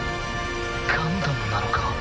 ガンダムなのか？